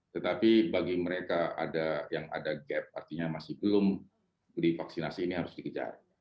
tetapi bagi mereka yang ada gap artinya masih belum divaksinasi ini harus dikejar